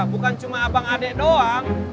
bukan cuma abang adek doang